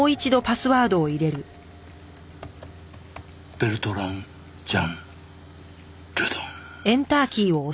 ベルトラン・ジャン・ルドン。